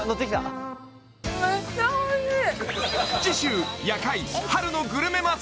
めっちゃおいしい